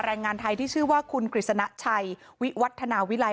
แรงงานไทยที่ชื่อว่าคุณกฤษณชัยวิวัฒนาวิลัย